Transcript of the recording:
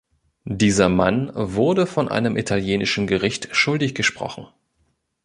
Dieser Mann wurde von einem italienischen Gericht schuldig gesprochen.